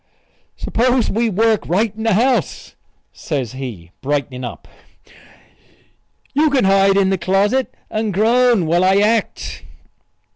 "S'pose we work right in the house?" says he, brightening up. "You can hide in the closet and groan while I act."